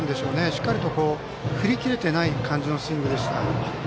しっかりと振り切れていない感じのスイングでした。